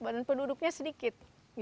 dan penduduknya sedikit